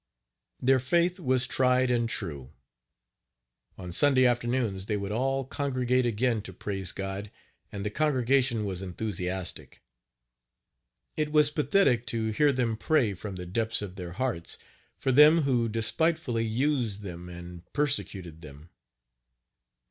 Their faith was tried and true. On Sunday afternoons, they would all congregate again to praise God, and the congregation was enthusiastic. It was pathetic to hear them pray, from the depths of their hearts, for them who "despitefully used them and Page 54 persecuted them."